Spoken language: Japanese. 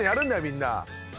みんな。